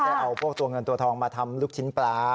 เอาพวกตัวเงินตัวทองมาทำลูกชิ้นปลา